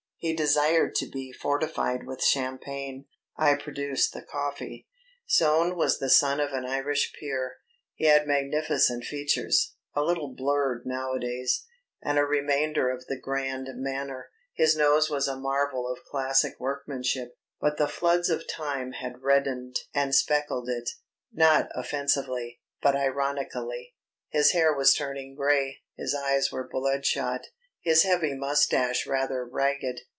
He desired to be fortified with champagne. I produced the coffee. Soane was the son of an Irish peer. He had magnificent features a little blurred nowadays and a remainder of the grand manner. His nose was a marvel of classic workmanship, but the floods of time had reddened and speckled it not offensively, but ironically; his hair was turning grey, his eyes were bloodshot, his heavy moustache rather ragged.